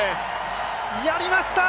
やりました！